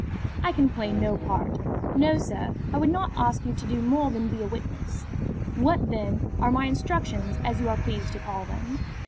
"I can play no part." "No, sir. I would not ask you to do more than be a witness." "What, then, are my instructions, as you are pleased to call them?"